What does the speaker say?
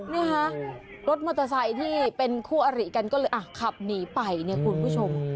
นี่ค่ะรถมอเตอร์ไซค์กว่าออลี่ก็เลยขับหนีไปเนี่ยคุณผู้ชม